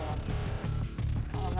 banteng kalau itu cepet jual